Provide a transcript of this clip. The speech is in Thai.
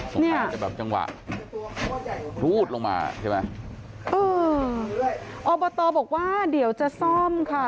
น่าจะแบบจังหวะครูดลงมาใช่ไหมเอออบตบอกว่าเดี๋ยวจะซ่อมค่ะ